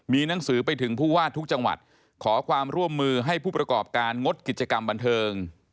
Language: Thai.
มีหนังสือไปถึงผู้ว่าทุกจังหวัดขอความร่วมมือให้ผู้ประกอบการงดกิจกรรมบันเทิง